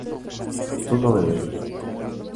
¿tu no beberías?